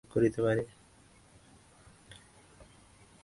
কিছুকাল পরে শরীরের উপর মনের কার্যগুলিও অনুভব করিতে পারিবে।